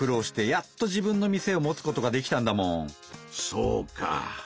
そうか。